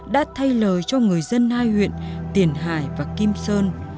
đã thay lời cho người dân hai huyện tiền hải và kim sơn